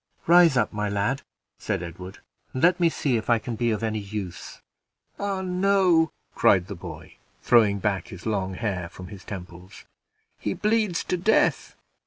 "Rise up, my lad," said Edward, "and let me see if I can be of any use." "Ah, no!" cried the boy, throwing back his long hair from his temples, "he bleeds to death!"